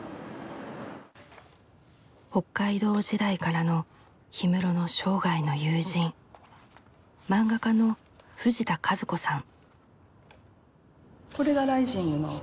北海道時代からの氷室の生涯の友人漫画家の藤田和子さん。